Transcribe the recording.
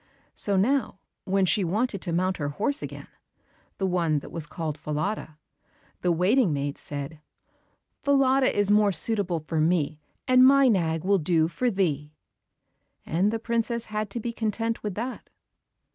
So now when she wanted to mount her horse again, the one that was called Falada, the waiting maid said, "Falada is more suitable for me, and my nag will do for thee" and the princess had to be content with that.